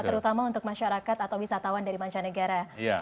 terutama untuk masyarakat atau wisatawan dari mancanegara